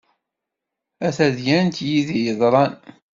A tadyant yid-i yeḍran.